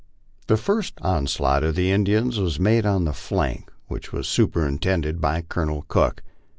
The first onslaught of the Indians was made on the flank which was superin tended by Colonel Cook.